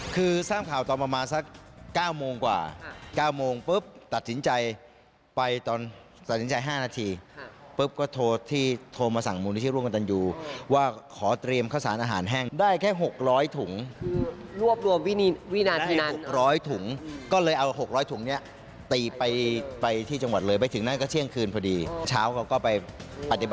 คือทราบข่าวตอนประมาณสัก๙โมงกว่า๙โมงปุ๊บตัดสินใจไปตอนตัดสินใจ๕นาทีปุ๊บก็โทรที่โทรมาสั่งมูลนิธิร่วมกับตันยูว่าขอเตรียมข้าวสารอาหารแห้งได้แค่๖๐๐ถุงรวบรวมได้ให้๖๐๐ถุงก็เลยเอา๖๐๐ถุงเนี่ยตีไปที่จังหวัดเลยไปถึงนั่นก็เที่ยงคืนพอดีเช้าเขาก็ไปปฏิบัติ